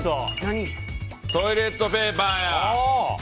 トイレットペーパーや！